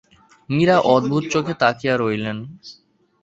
মীরা অদ্ভুত চোখে তাকিয়ে রইলেন।